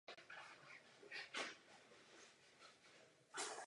Čtvrť nese jméno kostela Madeleine.